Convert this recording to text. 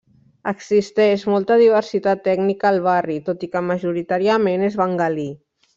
Existeix molta diversitat ètnica al barri, tot i que majoritàriament és bengalí.